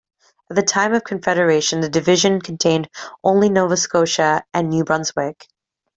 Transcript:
At the time of confederation the division contained only Nova Scotia and New Brunswick.